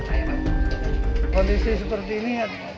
kondisi seperti ini